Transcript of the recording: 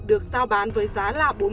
được giao bán với giá là